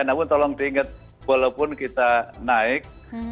namun tolong diingat walaupun kita naik